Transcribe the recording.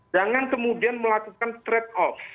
jangan kemudian melakukan trade off